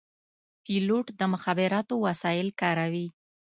پیلوټ د مخابراتو وسایل کاروي.